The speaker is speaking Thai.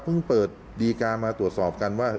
เปิดดีการ์มาตรวจสอบกันว่า